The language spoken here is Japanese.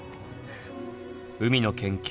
海の研究